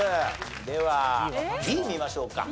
ではＢ見ましょうか。